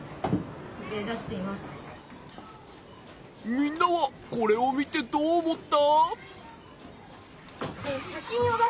みんなはこれを見てどう思った？